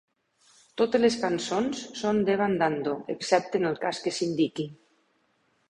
Totes les cançons són de Evan Dando, excepte en el cas que s'indiqui.